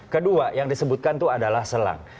kedua yang disebutkan itu adalah selang